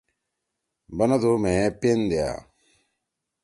بنَدُو مھیئے پن دیا۔